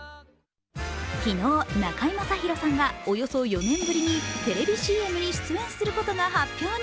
昨日中居正広さんがおよそ４年ぶりにテレビＣＭに出演することが発表に。